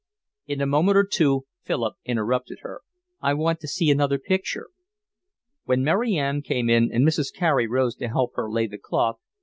In a moment or two Philip interrupted her. "I want to see another picture." When Mary Ann came in and Mrs. Carey rose to help her lay the cloth.